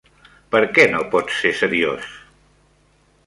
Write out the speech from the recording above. Per què no pots ser seriós?